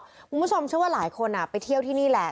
คุณผู้ชมเชื่อว่าหลายคนไปเที่ยวที่นี่แหละ